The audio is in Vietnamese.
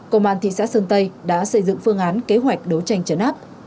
công an thị xã sơn tây đã xây dựng phương án kế hoạch đấu tranh chấn áp